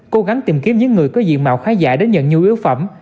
cố gắng tìm kiếm những người có diện mạo khán giả đến nhận nhu yếu phẩm